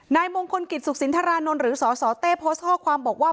นายมงคลกิจสุขสินทรานนท์หรือสสเต้โพสต์ข้อความบอกว่า